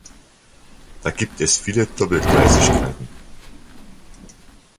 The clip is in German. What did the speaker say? Da gibt es viele Doppelgleisigkeiten.